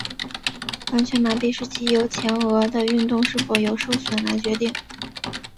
完全麻痹是藉由前额的运动是否有受损来决定。